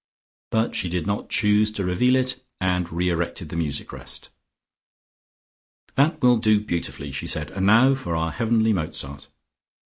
But she did not choose to reveal it and re erected the music rest. "That will do beautifully," she said. "And now for our heavenly Mozart.